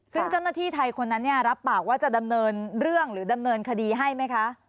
ซึ่งเจ้าหน้าที่ไทยคนนั้นรับปากว่าจะดำเนินเรื่องหรือดำเนินคดีให้ไหมคะ